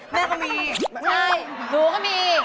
แม่ก็มี